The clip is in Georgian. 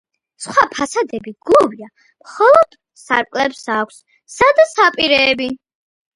სხვა ფასადები გლუვია, მხოლოდ სარკმლებს აქვს სადა საპირეები.